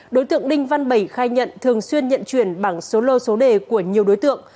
đối tượng đinh văn bảy khai nhận thường xuyên nhận chuyển bảng số lô số đề của nhiều đối tượng